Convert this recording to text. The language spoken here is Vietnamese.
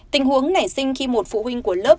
tình huống nảy sinh khi một phụ huynh của lớp